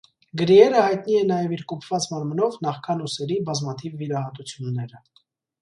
Գրիերը հայտնի է նաև իր կոփված մարմնով նախքան ուսերի բազմաթիվ վիրահատությունները։